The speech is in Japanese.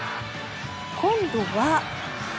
今度は。